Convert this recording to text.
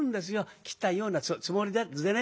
切ったようなつもりでね。